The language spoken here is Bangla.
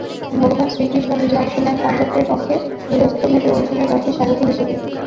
ভগবান শ্রীকৃষ্ণ নিজে অংশ নেন পাণ্ডবদের পক্ষে নিরস্ত্রভাবে অর্জুনের রথের সারথি হিসেবে।